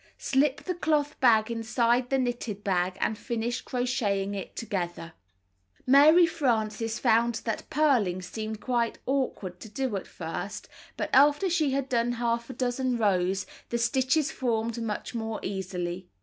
Slip the cloth bag inside the knitted bag and finish crocheting it together. (^ Mary Frances found that purling seemed quite Q awkward to do at first, but after she had done half a Q ^ dozen rows, the stitches formed much more easily.